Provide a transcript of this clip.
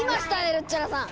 ルッチョラさん！